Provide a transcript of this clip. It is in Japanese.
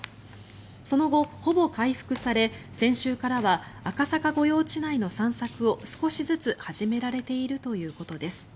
その後、ほぼ回復され先週からは赤坂御用地内の散策を少しずつ始められているということです。